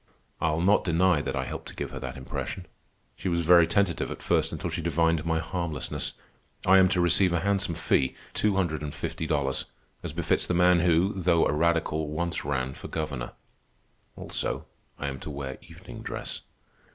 I'll not deny that I helped to give her that impression. She was very tentative at first, until she divined my harmlessness. I am to receive a handsome fee—two hundred and fifty dollars—as befits the man who, though a radical, once ran for governor. Also, I am to wear evening dress.